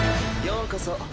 ようこそ。